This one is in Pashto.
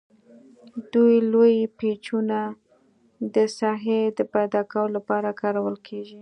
دوه لوی پیچونه د ساحې د پیداکولو لپاره کارول کیږي.